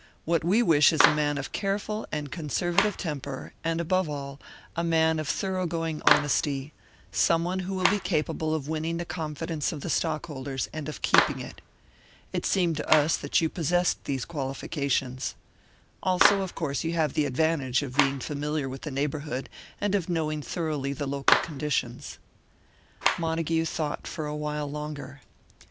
What we wish is a man of careful and conservative temper, and, above all, a man of thorough going honesty; someone who will be capable of winning the confidence of the stockholders, and of keeping it. It seemed to us that you possessed these qualifications. Also, of course, you have the advantage of being familiar with the neighbourhood, and of knowing thoroughly the local conditions." Montague thought for a while longer.